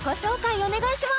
お願いします！